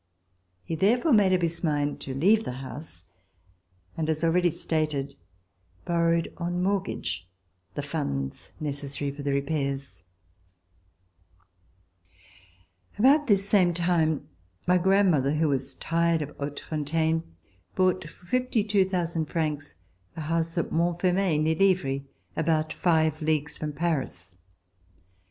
He therefore [■7] RECOLLECTIONS OF THE REVOLUTION made up his mind to leave the house, and, as already stated, borrowed on mortgage the funds necessary for the repairs. About this same time my grandmother, who was tired of Hautefontaine, bought, for 52,000 francs, a house at Montfermeil, near Livry, about five leagues from Paris.